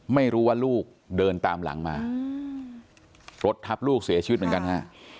ไม่รู้ว่าลูกเดินตามหลังมารถทับลูกเสียชีวิตเหมือนกันฮะ